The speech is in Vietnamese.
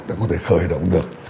đã có thể khởi động được